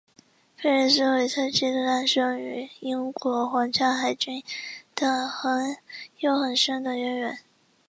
佩列斯韦特级的诞生与英国皇家海军的有很深的渊源。